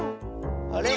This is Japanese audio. あれ？